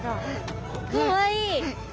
かわいい。